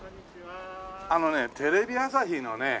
あのねテレビ朝日のね